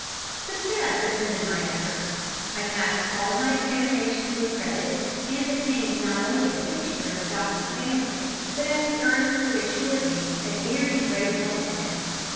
Success attended my efforts. I passed all my examinations with credit, and became not only a fixture in the doctor's family, but as he earnestly assured me, a very great help to him.